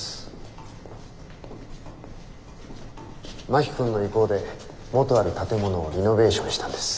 真木君の意向で元ある建物をリノベーションしたんです。